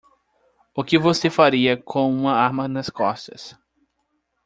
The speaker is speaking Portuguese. O que você faria com uma arma nas costas?